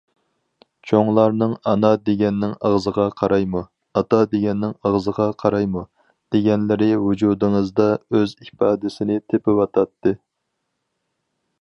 چوڭلارنىڭ‹‹ ئانا دېگەننىڭ ئاغزىغا قارايمۇ، ئاتا دېگەننىڭ ئاغزىغا قارايمۇ›› دېگەنلىرى ۋۇجۇدىڭىزدا ئۆز ئىپادىسىنى تېپىۋاتاتتى.